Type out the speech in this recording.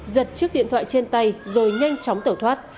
giật chiếc điện thoại trên tay rồi nhanh chóng tẩu thoát